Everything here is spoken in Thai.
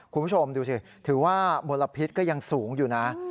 คุณผู้ชมดูสิถือว่ามลพิษก็ยังสูงอยู่นะ